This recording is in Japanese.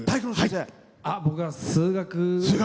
僕は数学。